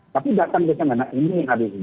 tapi datang ke sana ini harus disiapkan dari sekarang